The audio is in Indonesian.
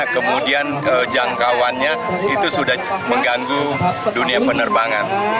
kemudian jangkauannya itu sudah mengganggu dunia penerbangan